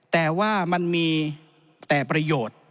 แต่ว่ามันมีแต่ประโยชน์